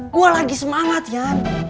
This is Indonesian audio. gue lagi semangat yan